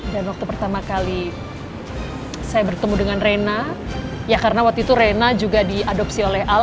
dan waktu pertama kali saya bertemu dengan rina ya karena waktu itu rina juga diadopsi oleh al